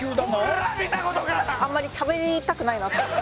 あんまりしゃべりたくないなって。